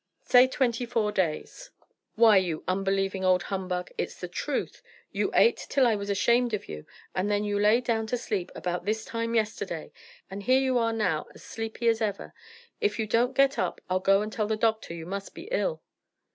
Say twenty four days." "Why, you unbelieving old humbug! It's the truth. You ate till I was ashamed of you, and then you lay down to sleep about this time yesterday, and here you are now as sleepy as ever. If you don't get up I'll go and tell the doctor you must be ill."